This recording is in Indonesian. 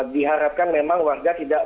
diharapkan memang warga tidak